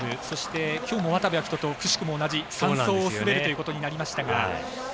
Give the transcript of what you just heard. そして、きょうも渡部暁斗とくしくも同じ３走を滑るということになりましたが。